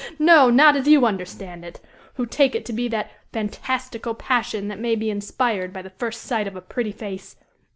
no, not as you understand it! who take it to be that fantastical passion that may be inspired by the first sight of a pretty face.